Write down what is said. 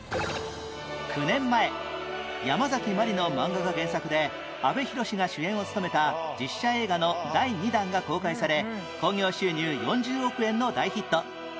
９年前ヤマザキマリの漫画が原作で阿部寛が主演を務めた実写映画の第２弾が公開され興行収入４０億円の大ヒット